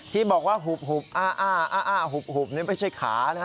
ที่บอกว่าหุบอ้าหุบนี่ไม่ใช่ขานะฮะ